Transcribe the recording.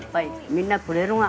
みんなくれるが。